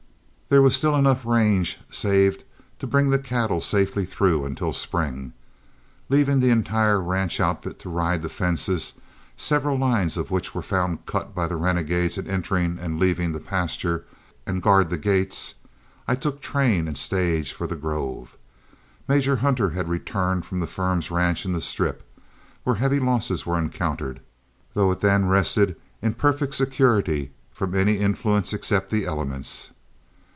There was still enough range saved to bring the cattle safely through until spring. Leaving the entire ranch outfit to ride the fences several lines of which were found cut by the renegades in entering and leaving the pasture and guard the gates, I took train and stage for the Grove. Major Hunter had returned from the firm's ranch in the Strip, where heavy losses were encountered, though it then rested in perfect security from any influence except the elements.